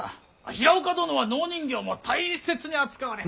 平岡殿は農人形も大切に扱われ。